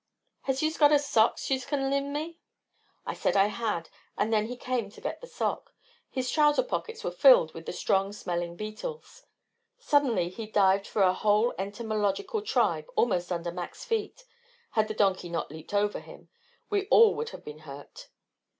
Has yus got a sock yuse kin lend me?" I said I had, and then he came to get the sock. His trousers pockets were filled with the strong smelling beetles. Suddenly, he dived for a whole entomological tribe almost under Mac's feet; had the donkey not leaped over him, we all would have been hurt.